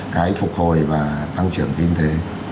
cái phục hồi và tăng trưởng kinh tế